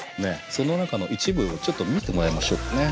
その中の一部をちょっと見てもらいましょうかね。